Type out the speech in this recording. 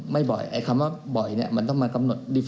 ไม่บ่อยคำว่าบ่อยแค่มันต้องมาก๊อมโหนด